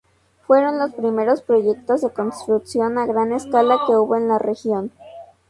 Fueron los primeros proyectos de construcción a gran escala que hubo en la región.